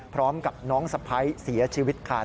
พร้อมกับน้องสะพ้ายเสียชีวิตค่ะ